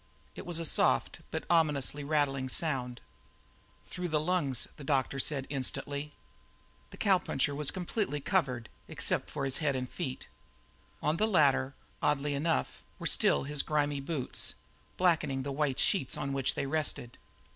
It was a soft, but ominously rattling sound. "Through the lungs," said the doctor instantly. The cowpuncher was completely covered, except for his head and feet. On the latter, oddly enough, were still his grimy boots, blackening the white sheets on which they rested.